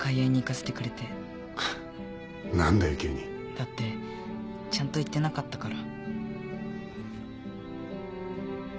だってちゃんと言ってなかったから。